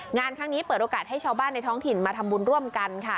งานครั้งนี้เปิดโอกาสให้ชาวบ้านในท้องถิ่นมาทำบุญร่วมกันค่ะ